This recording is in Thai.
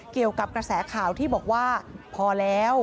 เกี่ยวกับกระแสข่าวที่บอกว่าพอแล้ว